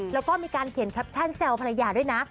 แล้วก็มีการเขียนแคปชั่นแซวภรรยาด้วยนะ